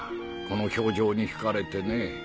この表情に引かれてね。